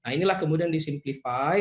inilah kemudian disimplify